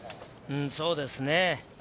そうですね。